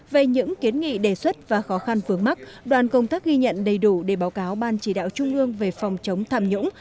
về những kiến nghị đề xuất và khó khăn vướng mắt đoàn công tác ghi nhận đầy đủ để báo cáo ban chỉ đạo trung ương về phòng chống tham nhũng